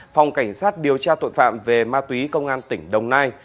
phòng cảnh sát điều tra tội phạm về ma túy công an tỉnh đồng nai